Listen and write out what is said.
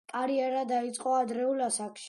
კარიერა დაიწყო ადრეულ ასაკში.